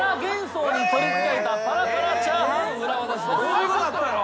そういうことだったの？